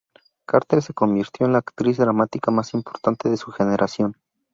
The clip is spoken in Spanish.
Carter se convirtió en la actriz dramática más importante de su generación.